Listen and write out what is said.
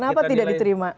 kenapa tidak diterima